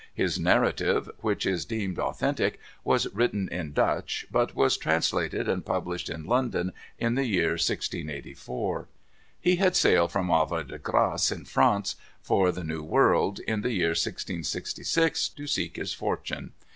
His narrative, which is deemed authentic, was written in Dutch, but was translated and published in London in the year 1684. He had sailed from Havre de Grace, in France, for the New World, in the year 1666, to seek his fortune.